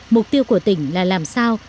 mục tiêu của tỉnh là làm sao